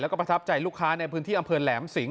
แล้วก็ประทับใจลูกค้าในพื้นที่อำเภอแหลมสิง